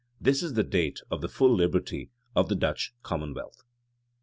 This is the date of the full liberty of the Dutch commonwealth.